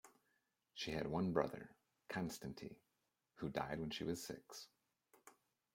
She had one brother, Konstanty, who died when she was six.